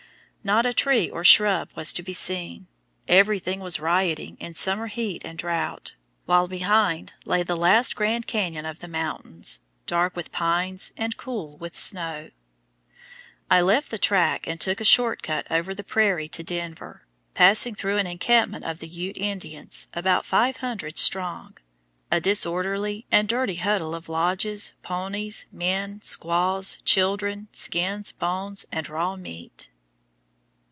Not a tree or shrub was to be seen, everything was rioting in summer heat and drought, while behind lay the last grand canyon of the mountains, dark with pines and cool with snow. I left the track and took a short cut over the prairie to Denver, passing through an encampment of the Ute Indians about 500 strong, a disorderly and dirty huddle of lodges, ponies, men, squaws, children, skins, bones, and raw meat.